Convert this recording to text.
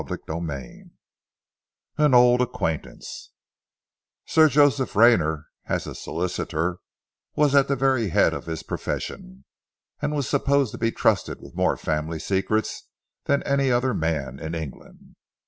CHAPTER XI AN OLD ACQUAINTANCE SIR JOSEPH RAYNER, as a solicitor, was at the very head of his profession, and was supposed to be trusted with more family secrets than any other man in England.